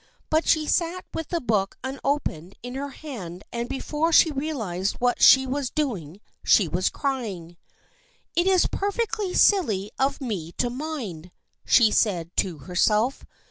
But she sat with the book unopened in her hand and before she realized what she was doing she was crying. " It is perfectly silly of me to mind," she said to herself.